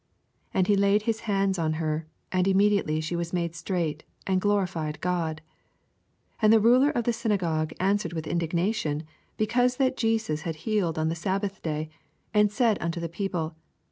IS And he laid his hands on her : and immediately she was made straight, and glorified God. 14: And the ruler of the synagogue answered with indignation, because that Jesus had healed on the sabbath day, and said unto the people.